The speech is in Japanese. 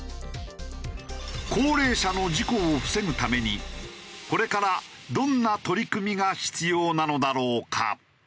高齢者の事故を防ぐためにこれからどんな取り組みが必要なのだろうか？